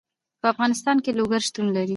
په افغانستان کې لوگر شتون لري.